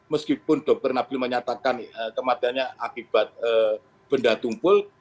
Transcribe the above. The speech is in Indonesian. meskipun dokter nabil menyatakan kematiannya akibat benda tumpul